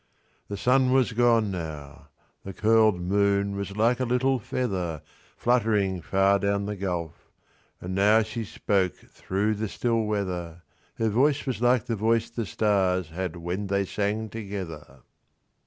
The sun was gone now; the curl'd moonWas like a little featherFluttering far down the gulf; and nowShe spoke through the still weather. Her voice was like the voice the starsHad when they sang together.